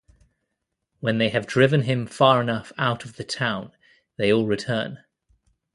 When they have driven him far enough out of the town, they all return.